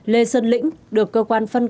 lê sơn lĩnh được cơ quan phân công